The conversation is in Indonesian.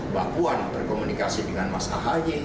wapuan berkomunikasi dengan mas ahayi